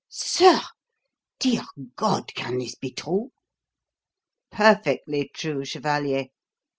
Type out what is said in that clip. "Sir! Dear God, can this be true?" "Perfectly true, chevalier.